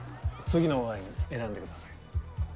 次のワイン選んでください。